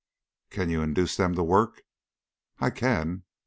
"Can you induce them to work?" "I can.